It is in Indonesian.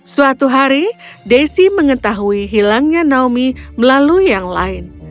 suatu hari desi mengetahui hilangnya naomi melalui yang lain